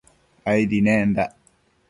Aidi nendac